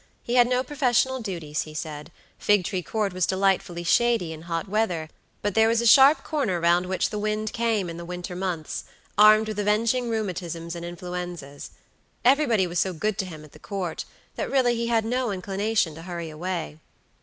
He had no professional duties, he said; Figtree Court was delightfully shady in hot weather, but there was a sharp corner round which the wind came in the summer months, armed with avenging rheumatisms and influenzas. Everybody was so good to him at the Court, that really he had no inclination to hurry away.